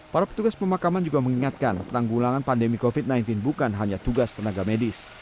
para petugas pemakaman juga mengingatkan penanggulangan pandemi covid sembilan belas bukan hanya tugas tenaga medis